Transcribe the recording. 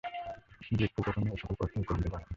যুক্তি কখনও এই-সকল প্রশ্নের উত্তর দিতে পারে না।